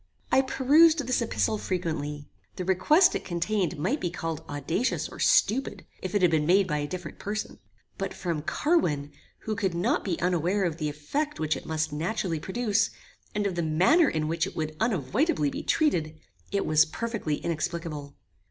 I perused this epistle frequently. The request it contained might be called audacious or stupid, if it had been made by a different person; but from Carwin, who could not be unaware of the effect which it must naturally produce, and of the manner in which it would unavoidably be treated, it was perfectly inexplicable.